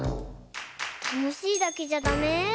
たのしいだけじゃダメ？